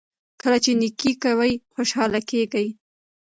کله چې نیکي کوئ خوشحاله کیږئ.